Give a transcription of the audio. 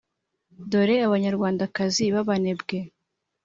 dore banyarwandakazi b'abanebwe,